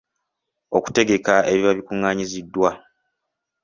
Okutegeka ebiba bikungaanyiziddwa.